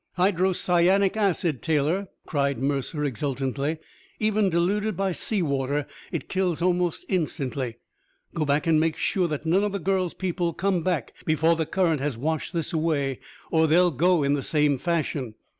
"Hydrocyanic acid, Taylor!" cried Mercer exultantly. "Even diluted by the sea water, it kills almost instantly. Go back and make sure that none of the girl's people come back before the current has washed this away, or they'll go in the same fashion.